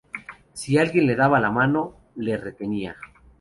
Si alguien le daba la mano, le retenía.